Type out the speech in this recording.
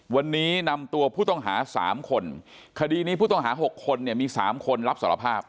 วันนี้นำตัวผู้ต้องหา๓คนคดีนี้ผู้ต้องหา๖คนเนี่ยมี๓คนรับสารภาพ